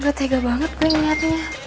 gak tega banget gue ngeliatnya